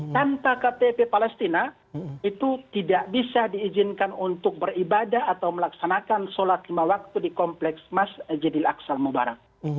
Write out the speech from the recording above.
tanpa ktp palestina itu tidak bisa diizinkan untuk beribadah atau melaksanakan sholat lima waktu di kompleks masjidil aksal mubarak